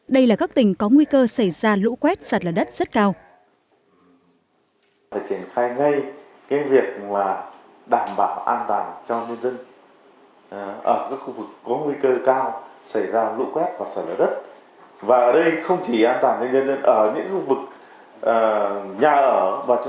đây là các tỉnh có nguy cơ xảy ra lũ quét sạt lở đất rất cao